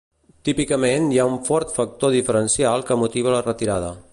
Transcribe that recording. Típicament, hi ha un fort factor diferencial que motiva la retirada.